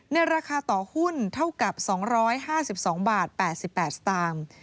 ในราคาต่อหุ้นเท่ากับ๒๕๒บาท๘๘สตางค์